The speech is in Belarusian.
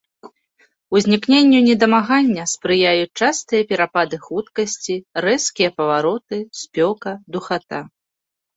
Узнікненню недамагання спрыяюць частыя перапады хуткасці, рэзкія павароты, спёка, духата.